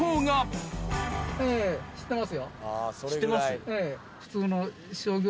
知ってます？